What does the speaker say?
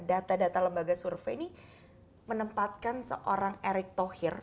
data data lembaga survei ini menempatkan seorang erick thohir